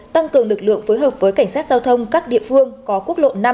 tăng cường lực lượng phối hợp với cảnh sát giao thông các địa phương có quốc lộ năm